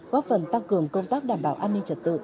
góp phần tăng cường công tác đảm bảo an ninh trật tự